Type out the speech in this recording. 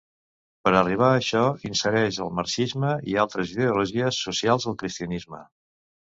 Per a arribar a això, insereix el marxisme i altres ideologies socials al cristianisme.